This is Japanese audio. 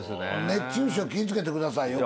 熱中症気ぃ付けてくださいよ。